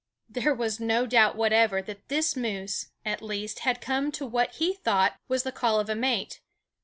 There was no doubt whatever that this moose, at least, had come to what he thought was the call of a mate.